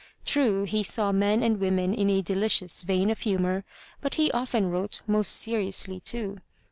True, he saw men and women in a delicious vein of humor, but he often wrote most seriously, too.